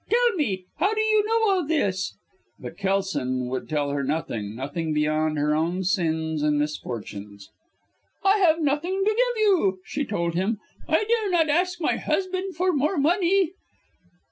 Tell me, how do you know all this?" But Kelson would tell her nothing nothing beyond her own sins and misfortunes. "I have nothing to give you," she told him. "I dare not ask my husband for more money."